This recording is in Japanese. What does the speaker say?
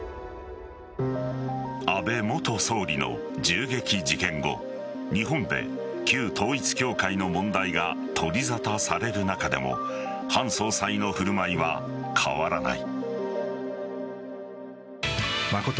安倍元総理の銃撃事件後日本で旧統一教会の問題が取り沙汰される中でもハン総裁の振る舞いは変わらない。